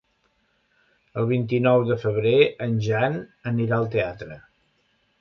El vint-i-nou de febrer en Jan anirà al teatre.